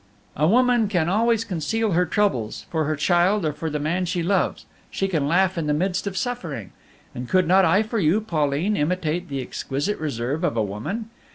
"A woman can always conceal her troubles; for her child, or for the man she loves, she can laugh in the midst of suffering. And could not I, for you, Pauline, imitate the exquisite reserve of a woman?